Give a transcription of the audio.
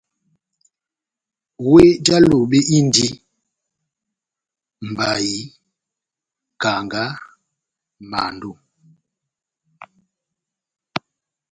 Wéh já Lobe indi mbayi, kanga, mando,